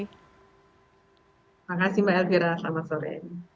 terima kasih mbak elvira selamat sore